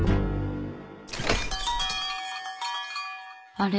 「あれ？